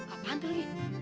apaan tuh ini